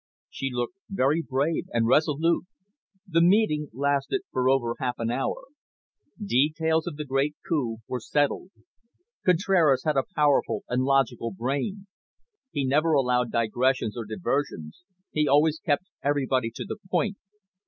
She looked very brave and resolute. The meeting lasted for over half an hour. Details of the great coup were settled. Contraras had a powerful and logical brain. He never allowed digressions or diversions, he always kept everybody to the point.